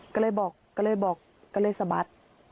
ก็เลยบอกก็เลยบอกก็เลยสะบัด